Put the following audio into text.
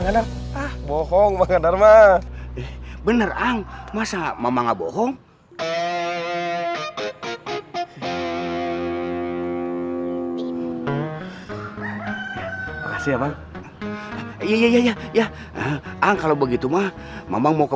ngomong ngomong bener ang masa mama nggak bohong ya ya ya ya kalau begitu mah mau ke